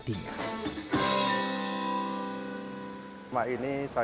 tuhan yang berkecahkan itu